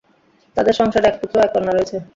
তাঁদের সংসারে এক পুত্র ও এক কন্যা রয়েছে।